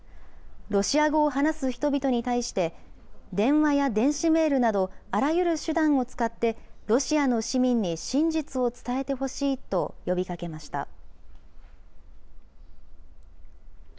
ロシア語を話す人々に対して、電話や電子メールなど、あらゆる手段を使って、ロシアの市民に真実を伝えてほしいと呼びかけました。